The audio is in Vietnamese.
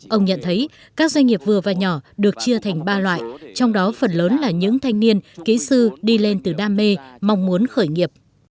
ông nhận thấy các doanh nghiệp vừa và nhỏ được chia thành ba loại trong đó phần lớn là những thanh niên kỹ sư đi lên từ đam mê mong muốn khởi nghiệp